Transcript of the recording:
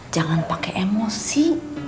jangan pakai emosi